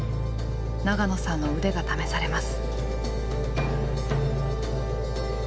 長野さんの腕が試されます。